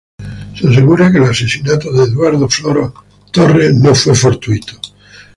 Se asegura que el asesinato de Eduardo Flores Torres, no fue fortuito.